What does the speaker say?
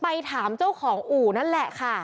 ไปถามเจ้าของอู่นั่นแหละค่ะ